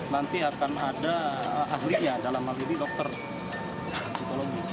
nanti akan ada ahlinya dalam hal ini dokter psikologi